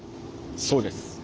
そうです。